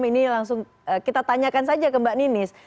ini langsung kita tanyakan saja ke mbak ninis